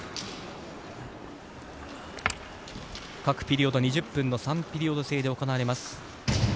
各ピリオド２０分の３ピリオド制で行われます。